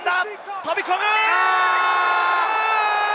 飛び込む！